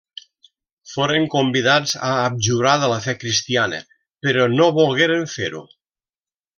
Foren convidats a abjurar de la fe cristiana, però no volgueren fer-ho.